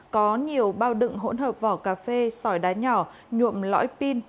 có nhiều bao đựng hỗn hợp vỏ cà phê sỏi đá nhỏ nhuộm lõi pin